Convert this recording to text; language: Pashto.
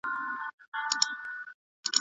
شاګرد ته باید د نظر څرګندولو زمینه برابره سي.